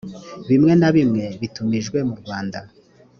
bimwe na bimwe bitumijwe murwanda